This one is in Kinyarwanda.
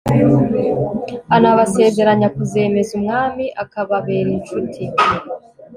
anabasezeranya kuzemeza umwami akababera incuti